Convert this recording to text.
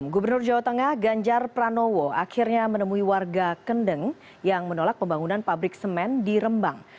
gubernur jawa tengah ganjar pranowo akhirnya menemui warga kendeng yang menolak pembangunan pabrik semen di rembang